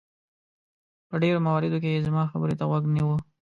په ډېرو مواردو کې یې زما خبرې ته غوږ نیوه.